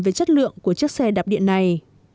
về chất lượng của chiếc xe đạp điện này